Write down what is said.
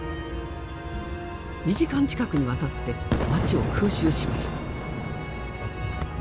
２時間近くにわたって町を空襲しました。